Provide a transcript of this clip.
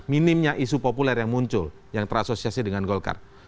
minimnya isu populer yang muncul yang terasosiasi dengan golkar